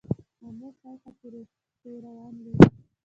آمو شاوخوا پیروان لري.